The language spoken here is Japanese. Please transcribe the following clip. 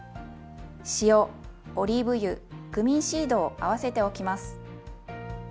塩オリーブ油クミンシードを合わせておきます。